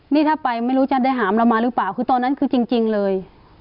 นี่ถ้าไปไม่รู้จะได้หามเรามาหรือเปล่าคือตอนนั้นคือจริงเลย